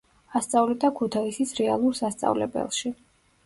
ასწავლიდა ქუთაისის რეალურ სასწავლებელში.